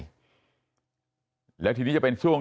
นี่คุณตูนอายุ๓๗ปีนะครับ